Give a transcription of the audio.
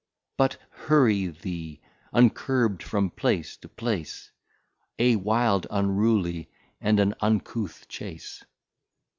But hurry thee, uncurb'd, from place to place, A wild, unruly, and an Uncouth Chace.